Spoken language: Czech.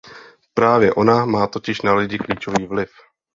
Právě ona má totiž na lidi klíčový vliv.